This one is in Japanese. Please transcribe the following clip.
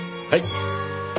はい。